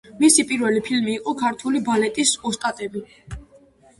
მისი პირველი ფილმი იყო „ქართველი ბალეტის ოსტატები“.